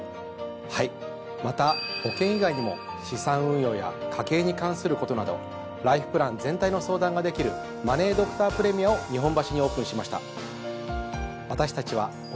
はいまた保険以外にも資産運用や家計に関することなどライフプラン全体の相談ができるマネードクタープレミアを日本橋にオープンしました。